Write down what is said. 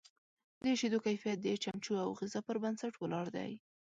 د شیدو کیفیت د چمچو او غذا پر بنسټ ولاړ دی.